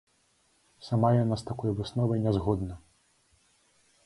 Сама яна з такой высновай не згодна.